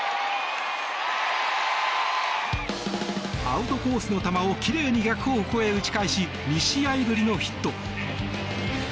アウトコースの球をきれいに逆方向へ打ち返し２試合ぶりのヒット。